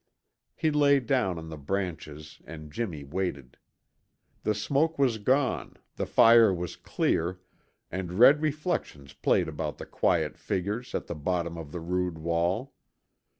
He lay down on the branches and Jimmy waited. The smoke was gone, the fire was clear, and red reflections played about the quiet figures at the bottom of the rude wall.